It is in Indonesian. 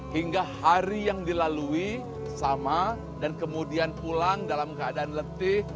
hingga hari yang dilalui sama dan kemudian pulang dalam keadaan letih